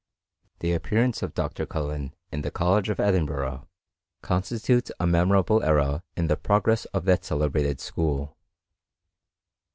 The appearance of Dr. Cullen in the College of Edinburgh constitutes a memorable era in the progress of that celebrated school.